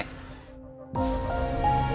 terima kasih bu